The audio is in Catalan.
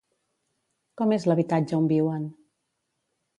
Com és l'habitatge on viuen?